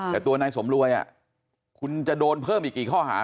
แต่ตัวนายสมรวยคุณจะโดนเพิ่มอีกกี่ข้อหา